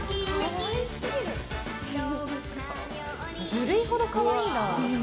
ずるい程、かわいいな。